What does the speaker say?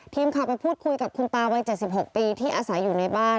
ทีมข่าวไปพูดคุยกับคุณตาวัย๗๖ปีที่อาศัยอยู่ในบ้าน